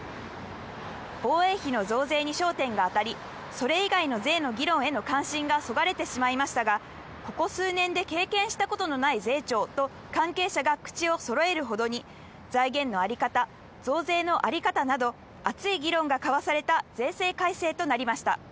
防衛費の増税に焦点が当たり、それ以外の税の議論への関心がそがれてしまいましたが、ここ数年で経験したことのない税調と関係者が口をそろえるほどに財源のあり方、増税のあり方など熱い議論が交わされた税制改正となりました。